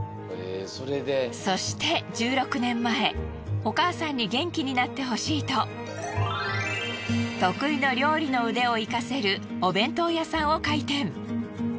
そして１６年前お母さんに元気になってほしいと得意の料理の腕を生かせるお弁当屋さんを開店。